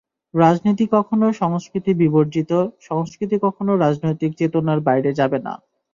রাজনীতি কখনো সংস্কৃতি বিবর্জিত, সংস্কৃতি কখনো রাজনৈতিক চেতনার বাইরে যাবে না।